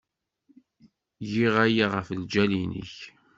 Giɣ aya ɣef lǧal-nnek.